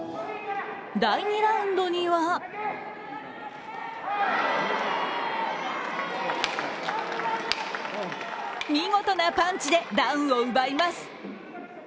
第２ラウンドには見事なパンチでダウンを奪います。